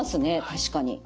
確かに。